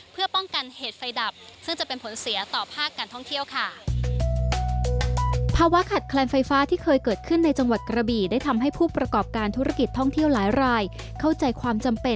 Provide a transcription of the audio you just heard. เพื่อป้องกันเหตุไฟดับซึ่งจะเป็นผลเสียต่อภาคการท่องเที่ยวค่ะ